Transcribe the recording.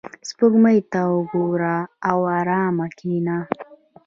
• سپوږمۍ ته وګوره او آرامه کښېنه.